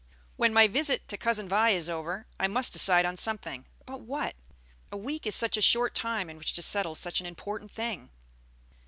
"When my visit to Cousin Vi is over, I must decide on something; but what? A week is such a short time in which to settle such an important thing."